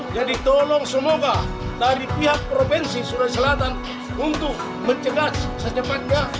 jadi tolong semoga dari pihak provinsi surai selatan untuk mencegah secepatnya